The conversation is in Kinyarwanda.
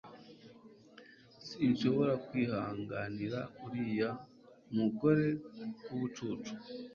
sinshobora kwihanganira uriya mugore wubucucu